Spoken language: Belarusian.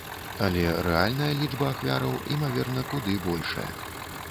Але рэальная лічба ахвяраў імаверна куды большая.